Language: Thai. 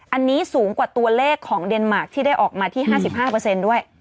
อันนี้สูงกว่าตัวเลขของเดนมาร์คที่ได้ออกมาที่๕๕ด้วย